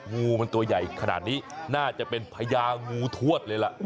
งูมันตัวใหญ่ขนาดนี้น่าจะเป็นพญางูทวดเลยล่ะ